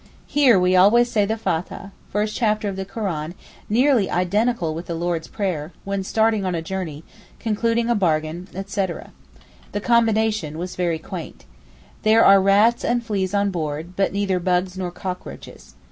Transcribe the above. Here we always say the Fathah (first chapter of the Koran, nearly identical with the Lord's Prayer) when starting on a journey, concluding a bargain, etc. The combination was very quaint. There are rats and fleas on board, but neither bugs nor cockroaches.